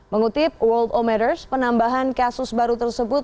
mengutip worldometers penambahan kasus baru tersebut